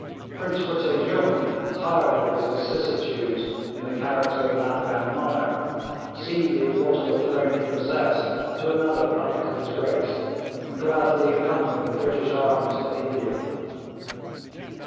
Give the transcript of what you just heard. Prince Futteh Jung, tired of his vicissitudes in the character of an Afghan monarch, ceded what of a throne he possessed to another puppet of his race, and gladly accompanied the British armies to India.